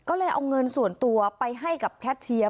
ก็เลยเอาเงินส่วนตัวไปให้กับแคทเชียร์